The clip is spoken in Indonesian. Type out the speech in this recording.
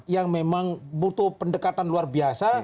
yang memang butuh pendekatan luar biasa